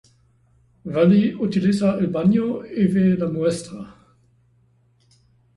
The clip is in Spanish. Wally utiliza el baño y ve la muestra.